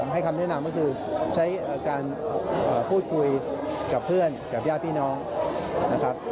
ให้คำแนะนำก็คือใช้การพูดคุยกับเพื่อนกับญาติพี่น้องนะครับ